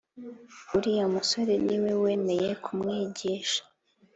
uriya musore niwe wemeye kumwigisha